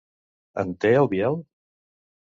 En té el Biel?